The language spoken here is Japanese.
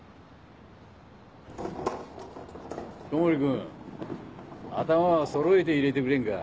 小森君頭はそろえて入れてくれんか。